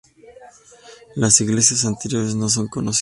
Las iglesias anteriores no son conocidas.